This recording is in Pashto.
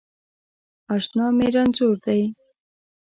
اشنا می رنځور دی